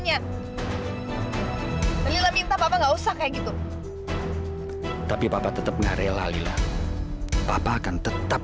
semuanya lila minta papa nggak usah kayak gitu tapi papa tetap ngarela lila papa akan tetap